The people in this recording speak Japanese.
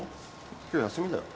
今日休みだよ。